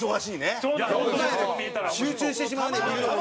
蛍原：集中してしまうね見るのもね。